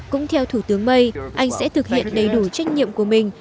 cũng theo thủ tướng may anh sẽ thực hiện đầy đủ trách nhiệm của mình